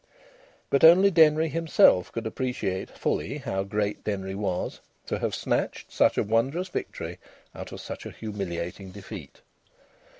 But only Denry himself could appreciate fully how great Denry was, to have snatched such a wondrous victory out of such a humiliating defeat!